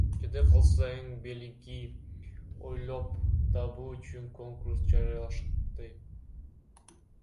Жада калса эн белги ойлоп табуу үчүн конкурс жарыялашты.